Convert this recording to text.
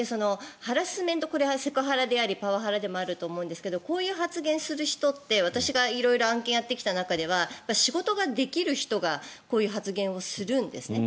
ハラスメントこれはセクハラでありパワハラでもあると思うんですがこういう発言をする人って私が色々案件をやってきた中では仕事ができる人がこういう発言をするんですね。